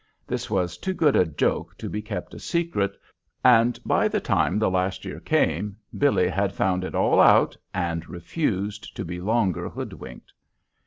This was too good a joke to be kept a secret, and by the time the last year came Billy had found it all out and refused to be longer hoodwinked.